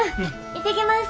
行ってきます。